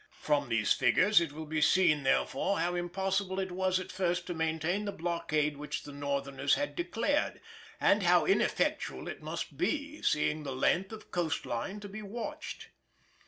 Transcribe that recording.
From these figures it will be seen, therefore, how impossible it was at first to maintain the blockade which the Northerners had declared, and how ineffectual it must be, seeing the length of coast line to be watched.